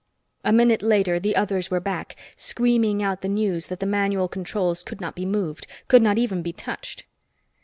A minute later, the others were back, screaming out the news that the manual controls could not be moved could not even be touched.